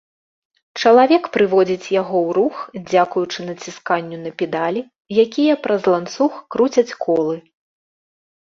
Чалавек прыводзіць яго ў рух дзякуючы націсканню на педалі, якія праз ланцуг круцяць колы.